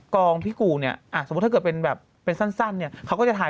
พี่กูเนี่ยสมมุติถ้าเกิดเป็นแบบเป็นสั้นเนี่ยเขาก็จะถ่าย